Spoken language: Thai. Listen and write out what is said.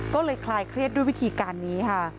ก็เลยคลายเครียดด้วยวิธีการนี้ค่ะ